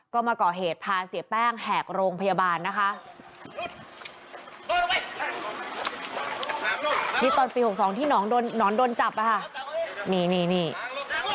ก็มาก่อเหตุพาเสียแป้งแหกโรงพยาบาลนะคะ